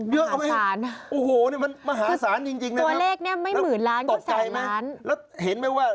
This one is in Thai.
เยอะไหมโอ้โหนี่มันมหาศาลจริงนะครับตกไกลไหมแล้วเห็นไหมว่า